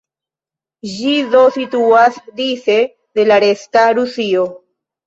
Ĝi do situas dise de la "resta" Rusio.